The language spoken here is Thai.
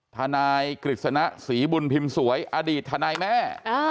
ทนายกฤษณะศรีบุญพิมพ์สวยอดีตทนายแม่